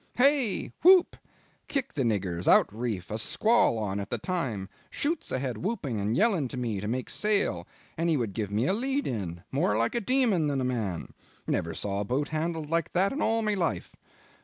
hey! whoop! Kick the niggers out reefs a squall on at the time shoots ahead whooping and yelling to me to make sail and he would give me a lead in more like a demon than a man. Never saw a boat handled like that in all my life.